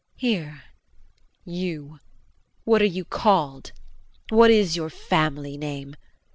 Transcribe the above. Hear, you, what are you called, what is your family name?